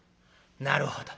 「なるほど。